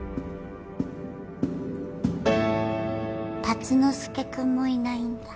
竜之介君もいないんだ。